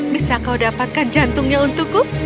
bisa kau dapatkan jantungnya untukku